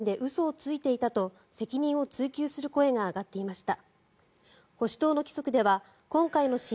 与党内からも議会答弁で嘘をついていたと責任を追及する声が上がっていました。